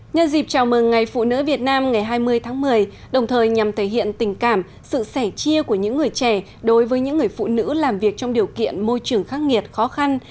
nhân dịp chào mừng ngày phụ nữ việt nam ngày hai mươi tháng một mươi đồng thời nhằm thể hiện tình cảm sự sẻ chia của những người trẻ đối với những người phụ nữ làm việc trong điều kiện môi trường khắc nghiệt khó khăn